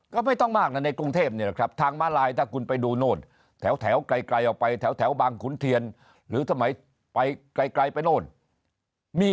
ก็ไม่ต้องมากนะในกรุงเทพนี่แหละครับทางมาลายถ้าคุณไปดูโน่นแถวไกลออกไปแถวบางขุนเทียนหรือสมัยไปไกลไปโน่นมี